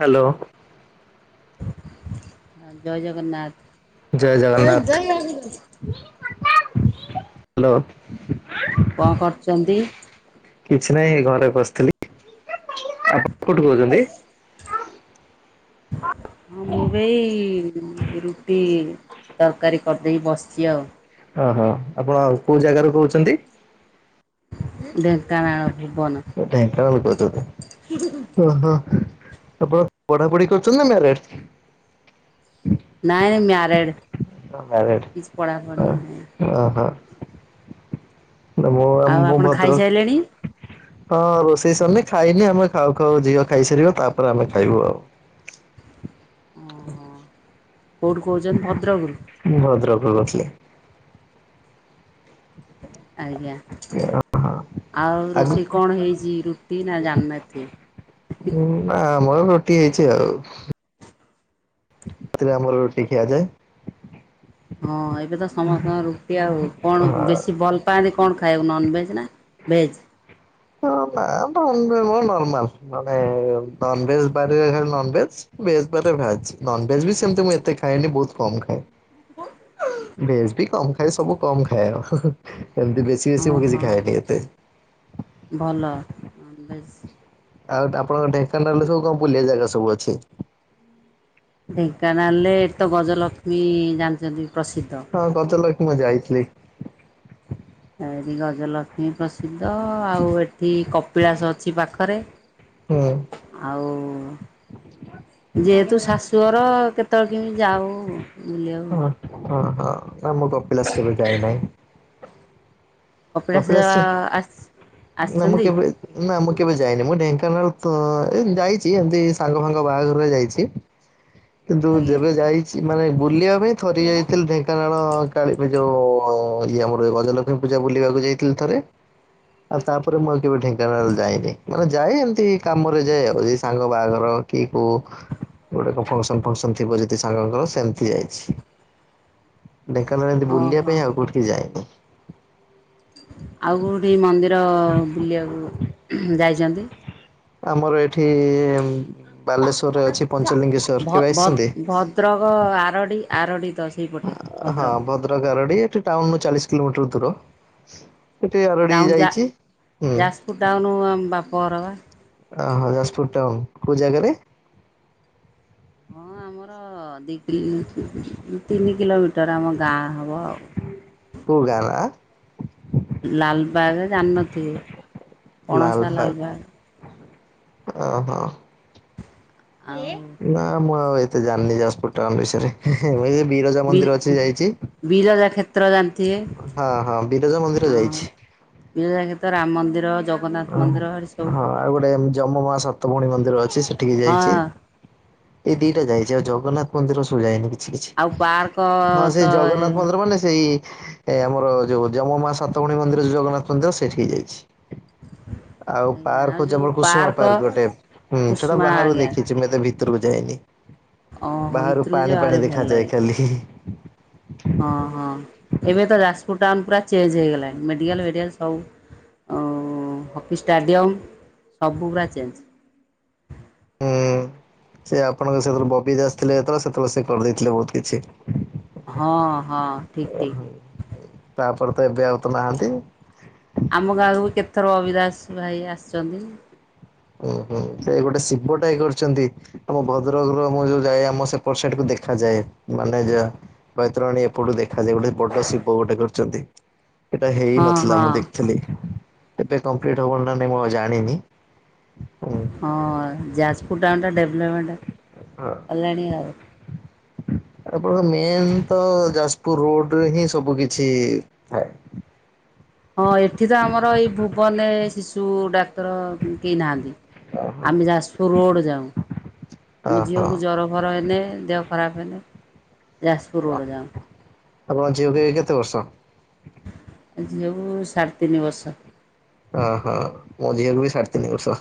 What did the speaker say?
Hello. ହ ଜୟ ଜଗନ୍ନାଥ। ଜୟ Jagannath. [inaudible] Hello. କଣ କରୁଚନ୍ତି। କିଛି ନାହିଁ ଏଇ ଘରେ ବସିଥିଲି। ଆପଣ କୋଉଠୁ କହୁଚନ୍ତି? ହଁ ମୁଁ ବି ଏଇ ରୁଟି ତରକାରୀ କରିଦେଇ ବସିଛି ଆଉ। ଓହୋ ଆପଣ କୋଉ ଜାଗାରୁ କହୁଚନ୍ତି? ଢେଙ୍କାନାଳ ଭୁବନ। ଢେଙ୍କାନାଳରୁ କହୁଛନ୍ତି ଓହୋ ଆପଣ ପଢାପଢି କରୁଛନ୍ତି ନା ମ୍ୟାରେଡେ? ନାଇଁ ମ୍ୟାରେଡ୍। [inaudible] ହ ହ [inaudible] [unintelligible] କିଛି ପଢ଼ାପଢ଼ି ନାହିଁ। ଆଉ ଆପଣ ଭଦ୍ର ଖାଇସାରିଲେଣି? ହଁ ରୋଷେଇ ସରିନି ଖାଇନି ଆମେ ଖାଉ ଖାଉ ଝିଅ ଖାଇସାରିବ ତାପରେ ଆମେ ଖାଇବୁ ଆଉ। ହଁ କୋଉଠୁ କହୁଛନ୍ତି ଭଦ୍ରକରୁ, ମୁଁ ଭଦ୍ରକ ରୁ କହୁଥିଲି। ଆଜ୍ଞା। ଆଉ ଆଗ ରୋଷେଇ କଣ ହେଇଛି ରୁଟି ନା ଜାଣିଥିଲି। ନା ଆମର ରୁଟି ହେଇଛି ଆଉ। ସେଥିରେ ଆମର ରୁଟି ଖିଆଯାଏ। ହଁ ଏବେ ତ ସମସ୍ତଙ୍କ ରୁଟି ଆଉ କଣ ହଁ ବେଶୀ [unintelligible] ଭଲ୍ ପାଆନ୍ତି କଣ ଖାଇବାକୁ ନନ୍ ଭେଜ ନା ଭେଜ୍? ନା ନର୍ମାଲ୍ ମାନେ ନନ୍ଭେଜ୍ ବାରିରେ ଖାଇବି ନନ୍ଭେଜ୍ ଭେଜ୍ ବାରିରେ ଭାଜ୍ ନନ୍ଭେଜ୍ ବି ସେମ୍ତି ମୁଁ ଏତେ ଖାଏନି ବହୁତ୍ କମ୍ ଖାଏ। ଭେଜ୍ ବି କମ୍ ଖାଏ ସବୁ କମ୍ ଖାଏ ହୁ-ହୁ ଆଉ ଏମ୍ତି ବେଶୀ [unintelligible] ମୁଁ କିଛି ଓହୋ ଖଇନି ଏତେ। ଭଲ ଭେଜ୍। ଆଉ ଆପଣଙ୍କର ଢେଙ୍କାନାଳରେ ସବୁ କଣ ବୁଲିଆ ଜାଗା ସବୁ ଅଛି? ଢେଙ୍କାନାଳରେ ଏଠି ତ ଗଜଲକ୍ଷ୍ମୀ ଜାଣିଛନ୍ତି ପ୍ରସିଦ୍ଧ। ହଁ ଗଜଲକ୍ଷ୍ମୀ ମୁଁ ଯାଇଥିଲି। ଆଉ ଏଠି ଗଜଲକ୍ଷ୍ମୀ ପ୍ରସିଦ୍ଧ ଆଉ ଏଠି କପିଳାସ ଅଛି ପାଖରେ। ହୁଁ। ଆଉ ଯେହେତୁ ଶାଶୁଘର କେତେବେଳେ କେମିତି ଯାଉ ବୁଲିବାକୁ। ହଁ-ହଁ ନା ମୁଁ କପିଲସ କେବେ ଯାଇନାହିଁ। କପିଳାସରେ କପିଳାସ [unintelligible] ନା ମୁଁ କେବେ ନା ମୁଁ କେବେ ଯାଇନି ମୁଁ ଢେଙ୍କାନାଳ ତ ଏମତି ଯାଇଚି ଏମ୍ତି ସାଙ୍ଗ ଫାଙ୍ଗ ବାହାଘରରେ ଯାଇଛି। କିନ୍ତୁ ଆଜ୍ଞା ଯେବେ ଯାଇଛି ମାନେ ବୁଲିବା ପାଇଁ ଥରି ଯାଇଥିଲି ଢେ ଙ୍କାନାଳ କାଳୀ ଏଯୋଉ ଇଏ ଆମର ଯୋଉ ଗଜଲକ୍ଷ୍ମୀ ପୂଜା ବୁଲିବାକୁ ଯାଇଥିଲି ଥରେ। ଆଉ ତାପରେ ମୁଁ ଆଉ କେବେ ଢେଙ୍କାନାଳ ଯାଇନି ମାନେ ଯାଏ ଏମ୍ତି କାମରେ ଯାଏ ଆଉ ଏଇ ସାଙ୍ଗ ବାହାଘର କିହୁ ଗୋଟେ କ [unintelligible] ଫଙ୍କସନ୍-ଫଙ୍କସନ୍ ଥିବ ଯଦି ସାଙ୍ଗଙ୍କର ସେମ୍ତି ଯାଇଛି। ଢେଙ୍କାନାଳ ରେ ଏମ୍ତି ବୁଲିବା ଓହୋ। ପାଇଁ ଆଉ କଉଠିକି ଯାଇନି। ଆଉ କୋଉଠି ମନ୍ଦିର ବୁଲିଆକୁ ଯାଇଚନ୍ତି? ଆମର ଏଠି ବାଲେଶ୍ଵରରେ ଅଛି ପଞ୍ଚଲିଙ୍ଗେଶ୍ଵର, କେବେ ଆସିଛନ୍ତି? [unintelligible] ଆରଡ଼ି-ଆରଡ଼ି ତ ସେଇପଟେ। ହଁ ଭଦ୍ରକ। ଭଦ୍ରକ ଆରଡି ଏଠି ଟାଉନ୍ ରୁ ଚାଳିଶ କିଲୋମିଟର ଦୂର। ସେଠି ଆରଡି ଟାଉନ୍ ଯା ଯାଇଛି ହୁଁ। ଯାଜପୁର୍ ଟାଉନୁ ଆମ ବାପଘର ବା। ଓହୋ ଯାଜପୁର୍ ଟାଉନ୍, କୋଉ ଜାଗାରେ? ହଁ ଆମର [unintelligible] ତିନି କିଲୋମିଟର ଆମ ଗାଁ ହେବ ଆଉ। କୋଉ ଗାଁ [unintelligible] ଲାଲବାଗ୍ ଜାଣିନଥିବେ ପଣସା ଲାଲବାଗ ଲାଲବାଗ୍। ଓହୋ। ଆଉ ନା ମୁଁ ଆଉ ଏତେ ଜାଣିନି ଯାଜପୁର ଟାଉନ୍ ବିଷୟରେ, ହେଁ-ହେ ମୁଁ ଏଇ ବିରଜା ବି ମନ୍ଦିର ଅଛି ଯାଇଚି। ବିରଜା କ୍ଷେତ୍ର ଜାଣିଥିବେ, ହଁ ବିରଜା ମନ୍ଦିର ଆଉ ଯାଇଛି ବିରଜା କ୍ଷେତ୍ର, ରାମ ମନ୍ଦିର ଜଗନ୍ନାଥ ଓ ମନ୍ଦିର ଏଠି ସବୁ ହଁ ଆଉ ଗୋଟେ ଯମ ମା ସାତଭଉଣୀ ମନ୍ଦିର ଅଛି ସେଠିକି ହଁ ଯାଇଚି। ଏ ଦିଟା ଯାଇଚି ଆଉ ଜଗନ୍ନାଥ ମନ୍ଦିର ସୁ ଯାଇନି। ଆଉ ପାର୍କ ହଁ ତ ସେଇ ଜଗନ୍ନାଥ ମନ୍ଦିର ମାନେ ସେଇ ଏ ଆମର ଯୋଉ ଯମ ମା ସାତଭଉଣୀ ମନ୍ଦିର ଯୋଉ ଜଗନ୍ନାଥ ମନ୍ଦିର ସେଇଠିକି ଯାଇଚି। [inaudible] ଆଉ ଆଜ୍ଞା ଆଉ ପାର୍କ ଯୋଉ [unintelligible] କୁସୁମା ପାର୍କ ଗୋଟେ ହୁଁ ସେଟା କୁସୁମା ବାହାରୁ ଆଜ୍ଞା ଦେଖିଚି ମୁଁ ଏତେ ଭି ତୁରୁକୁ ଯାଇନି ଓହୋ ବାହାରୁ ଭିତରକୁ ଯିବ ଆହୁରି ପାଣି-ପାାଣି ଭଲ ଦେଖାଯାଏ ଲାଗେ। ଖାଲି ହି-ହି। ହଁ ହଁ ଏବେ ତ ଯାଜପୁର୍ ଟାଉନ୍ ପୁରା ଚେଞ୍ଜ ହେଇଗଲାଣି, ମେଡିକାଲ୍ ଫେଡିକାଲ୍ ସବୁ ଆଉ ହକି ଷ୍ଟାଡ଼ିୟମ୍ ସବୁ ପୁରା ଚେଞ୍ଜ। ହୁଁ ସେ ଆପଣଙ୍କର ସେତବେଳେ ବବି ଦାସ ଥିଲେ ଯେତେବେଳେ ସେତେବେଳେ ସେ କରିଦେଇଥିଲେ ବହୁତ୍ କିଛି। ହଁ-ହଁ ଠିକ୍-ଠିକ୍। ତାପରେ ତ ଏବେ ଆଉ ତ ନାହାନ୍ତି। ଆମ ଗାଁକୁ ବି କେତଥର ବବିଦାସ ଭାଇ ଆସିଚନ୍ତି। ଓହୋ, ସେ ଗୋଟେ ଶିବଟାଏ କରିଚନ୍ତି। ଆମ ଭଦ୍ରକ ର ମୁଁ ଯୋଉ ଯାଏ ଆମ ସେପଟ ସାଇଟକୁ ଦେଖାଯାଏ, ମାନେ ଯ ବୈତ୍ରଣି ଏପଟୁ ଦେଖାଯାଏ ଗୋଟେ ବଡ଼ ଶିବ ଗୋଟେ କରିଚନ୍ତି। ଏଟା ହେଇ ହଁ ନଥିଲା ହଁ ମୁଁ ଦେଖଥିଲି, ଏବେ କମ୍ପ୍ଲିଟ ହବନି ନା ନାଇଁ ମୁଁ ଆଉ ଜାଣିନି। ହୁଁ ହଁ ଯାଜପୁର ଟାଉନଟା ଡେଭଲମେଣ୍ଟ ହେଲାଣି ଆଉ। ଆପଣଙ୍କ ମେନ୍ ତ ଯାଜପୁର ରୋଡରେ ହିଁ ସବୁ କିଛି ଥାଏ। ହଁ ଏଠି ତ ଆମର ଏଇ ଭୁବନରେ ଶିଶୁ ଡାକ୍ତର କେହି ନାହାନ୍ତି। ଓହୋ ଆମେ ଯାଜପୁର ରୋଡ ଯାଉ, ମୋ ଝିଅକୁ ଓହୋ। ଜର ଜର ହେନେ, ଦେହ ଖରାପ ହେନେ, ଯାଜପୁର ରୋଡ଼ ଯାଉ। ଆପଣଙ୍କ ଝିଅକୁ ଏ କେତେ ବର୍ଷ? ଝିଅକୁ ସାଢ଼େତିନି ବର୍ଷ ଅହ, ମୋ ଝିଅକୁ ବି ସାଢେତିନି ବର୍ଷ।